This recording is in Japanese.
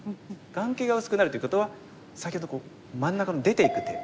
眼形が薄くなるってことは先ほど真ん中の出ていく手。